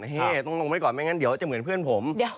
ต้องลงไว้ก่อนไม่งั้นเดี๋ยวจะเหมือนเพื่อนผม